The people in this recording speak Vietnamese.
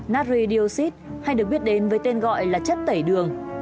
natri dioxid hay được biết đến với tên gọi là chất tẩy đường